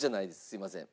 すいません。